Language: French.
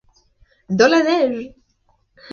Dans la Neige !